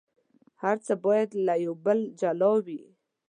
هر څه باید له یو بل جلا وي.